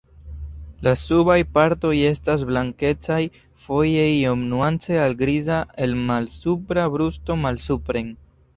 La subaj partoj estas blankecaj, foje iom nuance al griza el malsupra brusto malsupren.